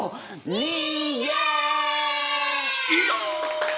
人間！